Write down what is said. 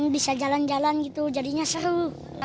bisa jalan jalan gitu jadinya seru